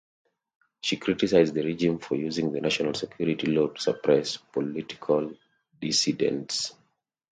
She criticized the regime for using the National Security Law to suppress political dissidents.